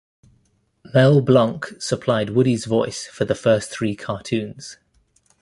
Mel Blanc supplied Woody's voice for the first three cartoons.